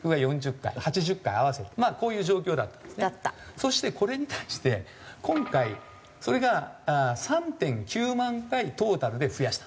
そしてこれに対して今回それが３．９万回トータルで増やした。